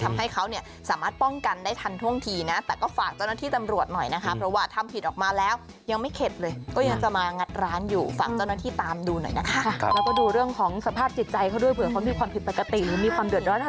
ทำให้เขาสามารถป้องกันได้ทันท่วงทีนะ